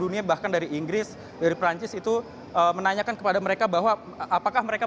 dunia bahkan dari inggris dari perancis itu menanyakan kepada mereka bahwa apakah mereka